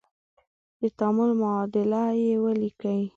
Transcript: د تعامل معادله یې ولیکئ.